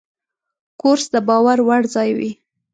کورس د باور وړ ځای وي.